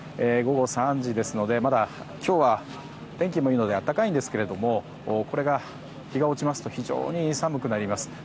午後３時ですのでまだ今日は天気もいいので暖かいんですけどこれが日が落ちますと非常に寒くなります。